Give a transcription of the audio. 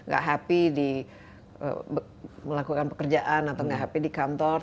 jadi di melakukan pekerjaan atau hp di kantor